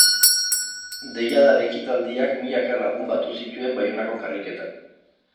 Deiadar ekitaldiak milaka lagun batu zituen Baionako karriketan.